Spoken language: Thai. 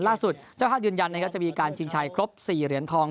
ล่าสุดเจ้าครับยืนยันว่าจะมีการชิงชัยครบ๔เหรียญทอง